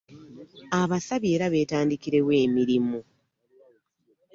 Abasabye era beetandikirewo emirimu.